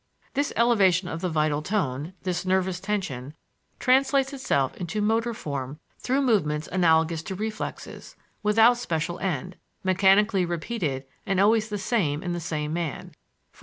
This elevation of the vital tone, this nervous tension, translates itself also into motor form through movements analogous to reflexes, without special end, mechanically repeated and always the same in the same man e.